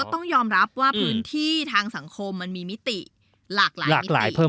ต้องยอมรับว่าพื้นที่มีหลากหลายมิติ